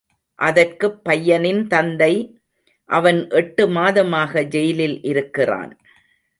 அதற்குப் பையனின் தந்தை அவன் எட்டு மாதமாக ஜெயிலில் இருக்கிறான்.